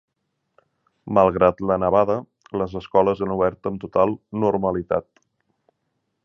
Malgrat la nevada, les escoles han obert amb total normalitat.